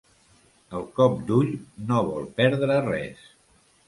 El cop d'ull no vol perdre res.